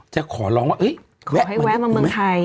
จะขอร้องว่าเอ๊ะ